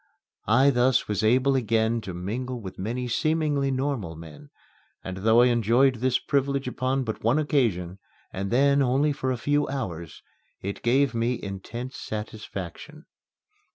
I thus was able again to mingle with many seemingly normal men, and though I enjoyed this privilege upon but one occasion, and then only for a few hours, it gave me intense satisfaction.